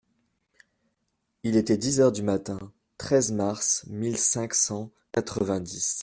Il était dix heures du matin (treize mars mille cinq cent quatre-vingt-dix).